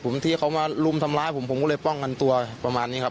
ผมที่เขามารุมทำร้ายผมผมก็เลยป้องกันตัวประมาณนี้ครับ